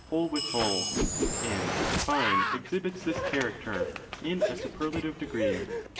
whole with whole—and 'the fine' exhibits this character" in a superlative degree.